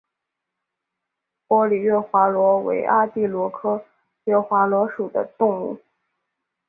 玻璃月华螺为阿地螺科月华螺属的动物。